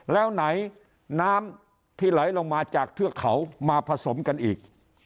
แล้วไหนน้ำที่ไหลลงมาจากเทือกเขามาผสมกันอีก